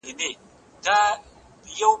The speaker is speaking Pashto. د دلارام دښتې په پسرلي کي ډېري شني سي